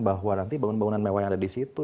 bahwa nanti bangun bangunan mewah yang ada di situ